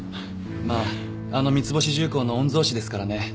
まああの三ツ星重工の御曹司ですからね。